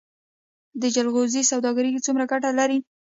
د جلغوزیو سوداګري څومره ګټه لري؟